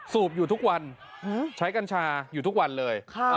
สูบอยู่ทุกวันใช้กัญชาอยู่ทุกวันเลย